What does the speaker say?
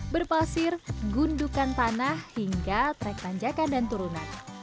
berpasir gundukan tanah hingga trek tanjakan dan turunan